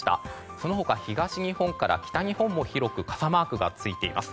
その他、東日本から北日本も広く傘マークがついています。